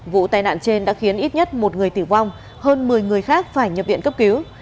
vụ tai nạn trên đã khiến ít nhất một người tử vong hơn một mươi người khác phải nhập viện cấp cứu